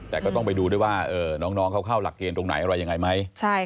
แต่ก็ต้องไปดูด้วยว่าน้องเขาเข้าหลักเกณฑ์ตรงไหนอะไรยังไงไหม